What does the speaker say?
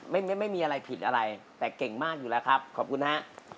ไม่มีอะไรผิดอะไรแต่เก่งมากอยู่แล้วครับขอบคุณฮะ